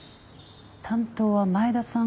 担当は前田さん